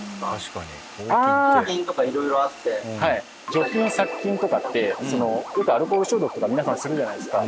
除菌や殺菌とかってよくアルコール消毒とか皆さんするじゃないですか。